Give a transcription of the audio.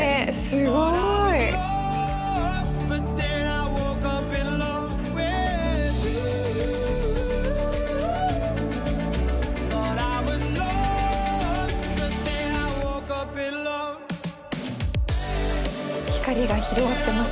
すごい！光が広がってますね。